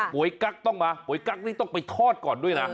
ยกั๊กต้องมาก๋วยกั๊กนี่ต้องไปทอดก่อนด้วยนะ